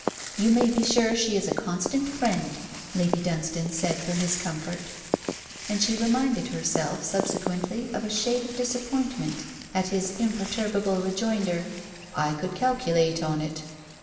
'You may be sure she is a constant friend,' Lady Dunstane said for his comfort; and she reminded herself subsequently of a shade of disappointment at his imperturbable rejoinder: 'I could calculate on it.'